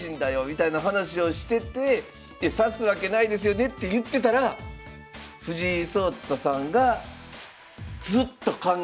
みたいな話をしてて指すわけないですよねって言ってたら藤井聡太さんがずっと考え始めて。